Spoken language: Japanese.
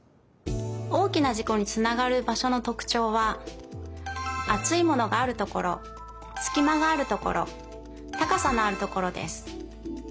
おおきなじこにつながるばしょのとくちょうはあついものがあるところすきまがあるところたかさのあるところです。